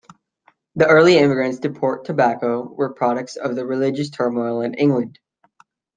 The early immigrants to Port Tobacco were products of the religious turmoil in England.